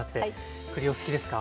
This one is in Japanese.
栗お好きですか？